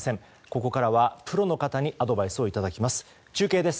ここからはプロの方にアドバイスをいただきます。